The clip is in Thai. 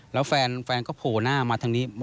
แล้วแฟนก็โผล่หน้ามาทางนี้